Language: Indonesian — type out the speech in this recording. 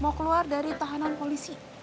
mau keluar dari tahanan polisi